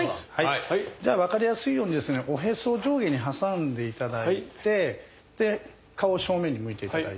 じゃあ分かりやすいようにおへそを上下に挟んで頂いて顔を正面に向いて頂いて。